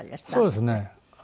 そうですね。